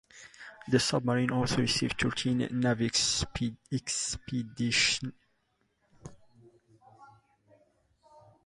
The submarine also received thirteen Navy Expeditionary Medals during her thirty years of service.